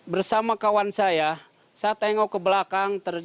bersama kawan saya saya tengok ke belakang